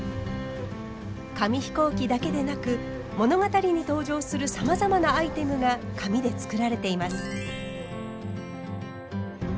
紙飛行機だけでなく物語に登場するさまざまなアイテムが紙で作られています。